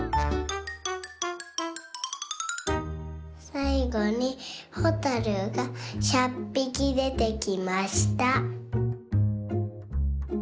さいごにほたるが１００ぴきでてきました。